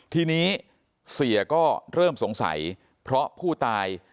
ทีนี้เสียก็เริ่มสงสัยเพราะผู้ตาย